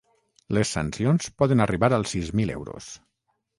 Les sancions poden arribar als sis mil euros.